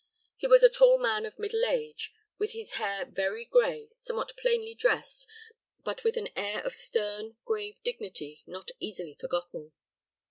He was a tall man of middle age, with his hair very gray, somewhat plainly dressed, but with an air of stern, grave dignity not easily forgotten."